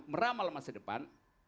meramal masa depan